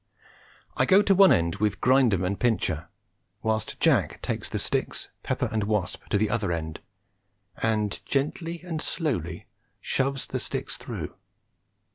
I go to one end with Grindum and Pincher, whilst Jack takes the sticks, Pepper and Wasp to the other end, and gently and slowly shoves the sticks through.